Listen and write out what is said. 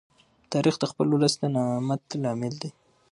تاریخ د خپل ولس د نامت لامل دی.